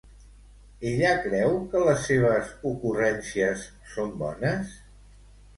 Ella creu que les seves ocurrències són bones?